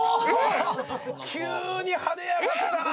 急に跳ねやがったな。